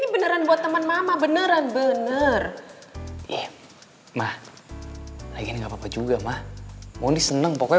beneran buat teman mama beneran bener iya mah lagi nggak apa juga mah mau seneng pokoknya